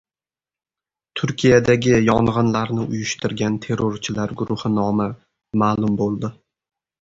Turkiyadagi yong‘inlarni uyushtirgan terrorchilar guruhi nomi ma’lum bo‘ldi